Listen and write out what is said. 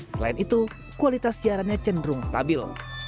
selain itu kualitas siarannya cenderung stabil